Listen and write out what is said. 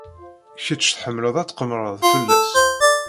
Kečč tḥemmled ad tqemmred fell-as.